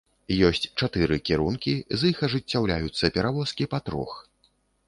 Ёсць чатыры кірункі, з іх ажыццяўляюцца перавозкі па трох.